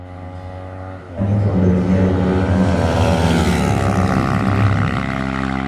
أَنْ يَطْلُبَ الزِّيَادَةَ وَيَلْتَمِسَ الْكَثْرَةَ لِيَصْرِفَهَا فِي وُجُوهِ الْخَيْرِ